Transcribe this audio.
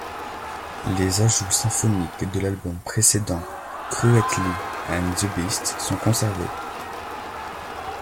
Les ajouts symphoniques de l'album précédent, Cruelty and the Beast, sont conservés.